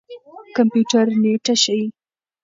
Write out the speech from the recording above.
کمپيوټر نېټه ښيي.